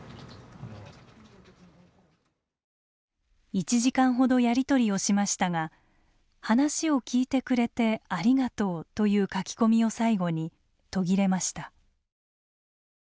１時間ほどやり取りをしましたが「話を聞いてくれてありがとう」という書き込みを最後に途切れました。